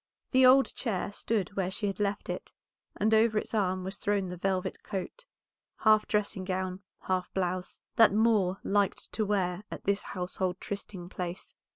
The old chair stood where she had left it, and over its arm was thrown the velvet coat, half dressing gown, half blouse, that Moor liked to wear at this household trysting place.